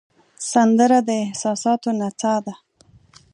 سندره د احساساتو نڅا ده